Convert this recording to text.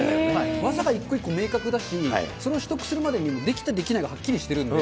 技が一個一個明確だし、それを取得するまでにできた、できないがはっきりしてるんで、